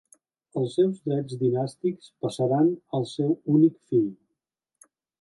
Els seus drets dinàstics passaren al seu únic fill.